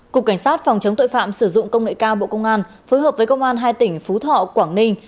cục cảnh sát phòng chống tội phạm sử dụng công nghệ cao bộ công an phối hợp với công an hai tỉnh phú thọ quảng ninh